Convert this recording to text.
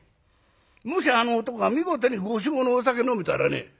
もしあの男が見事に５升のお酒飲めたらね